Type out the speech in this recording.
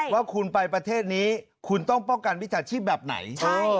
ว่าคุณไปประเทศนี้คุณต้องป้องกันวิชาชีพแบบไหน